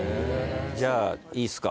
じゃあいいすか？